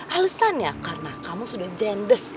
alesannya karena kamu sudah jendes